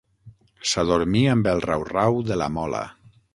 S'adormí amb el rau-rau de la mola.